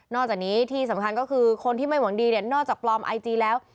อกจากนี้ที่สำคัญก็คือคนที่ไม่หวังดีเนี่ยนอกจากปลอมไอจีแล้ว